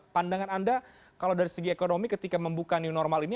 pandangan anda kalau dari segi ekonomi ketika membuka new normal ini